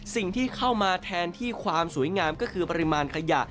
สิ่งที่เข้ามาแทนที่ความสวยงามก็คือปริมาณขยะ